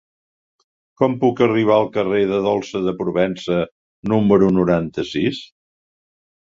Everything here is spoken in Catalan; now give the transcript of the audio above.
Com puc arribar al carrer de Dolça de Provença número noranta-sis?